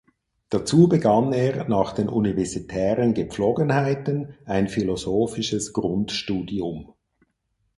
Dazu begann er nach den universitären Gepflogenheiten ein philosophisches Grundstudium.